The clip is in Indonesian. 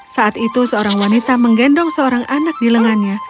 saat itu seorang wanita menggendong seorang anak di lengannya